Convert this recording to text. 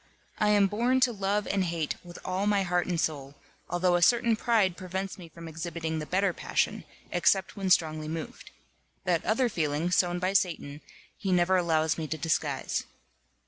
I am born to love and hate with all my heart and soul, although a certain pride prevents me from exhibiting the better passion, except when strongly moved. That other feeling, sown by Satan, he never allows me to disguise.